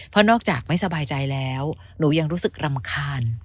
เพราะนอกจากไม่สบายใจแล้วหนูยังรู้สึกรำคาญ